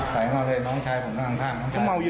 ใส่เหมาเลยน้องชายผมด้านข้าง